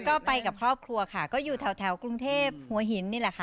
ก็ไปกับครอบครัวค่ะก็อยู่แถวกรุงเทพหัวหินนี่แหละค่ะ